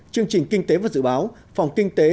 chương trình kinh tế và dự báo phòng kinh tế